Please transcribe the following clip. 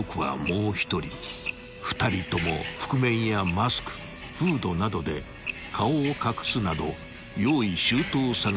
［２人とも覆面やマスクフードなどで顔を隠すなど］